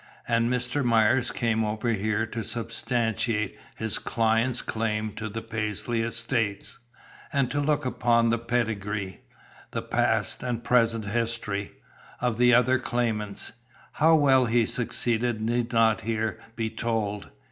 "And Mr. Myers came over here to substantiate his client's claim to the Paisley estates, and to look up the pedigree, the past and present history, of the other claimants. How well he succeeded need not here be told.